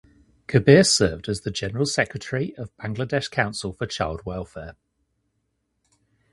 Kabir served as the general secretary of Bangladesh Council for Child Welfare.